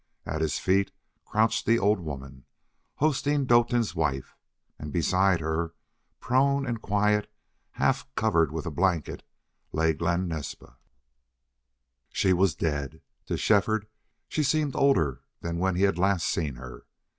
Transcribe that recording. At his feet crouched the old woman, Hosteen Doetin's wife, and beside her, prone and quiet, half covered with a blanket, lay Glen Naspa. She was dead. To Shefford she seemed older than when he had last seen her.